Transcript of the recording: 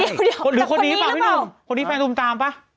เดี๋ยวแต่คนนี้หรือเปล่าคนนี้แฟนตุมตามป่ะ